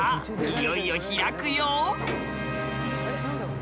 いよいよ開くよ！